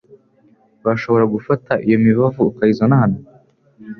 Urashobora gufata iyo mibavu ukayizana hano?